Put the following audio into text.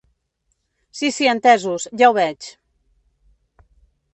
Si si entesos, ja ho veig!